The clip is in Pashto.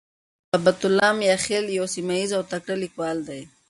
محبتالله "میاخېل" یو سیمهییز او تکړه لیکوال دی.